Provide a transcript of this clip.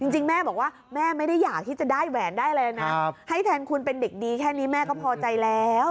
จริงแม่บอกว่าแม่ไม่ได้อยากที่จะได้แหวนได้อะไรเลยนะให้แทนคุณเป็นเด็กดีแค่นี้แม่ก็พอใจแล้ว